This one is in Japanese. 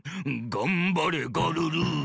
『がんばれガルル』。